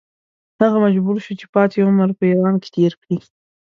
هغه مجبور شو چې پاتې عمر په ایران کې تېر کړي.